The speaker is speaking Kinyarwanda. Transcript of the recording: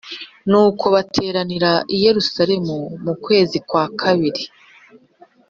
Nuko bateranira i Yerusalemu mu kwezi kwakabiri